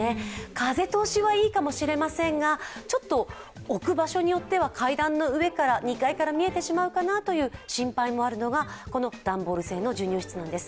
風通しはいいかもしれませんが、ちょっと置く場所によっては２階から見えてしまうかなというのがこの段ボール製の授乳室なんです。